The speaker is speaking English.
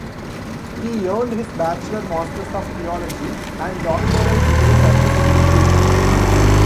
He earned his bachelor, masters of theology, and doctoral degrees at this institution.